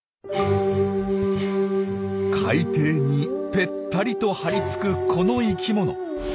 海底にぺったりと張り付くこの生きもの。